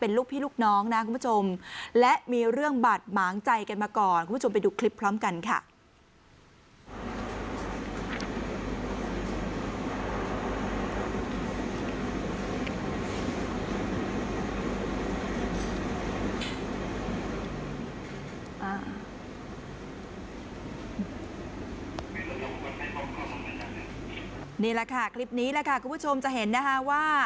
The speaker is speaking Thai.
นี่แหละค่ะคลิปนี้แหละค่ะคุณผู้ชมจะเห็นนะคะว่า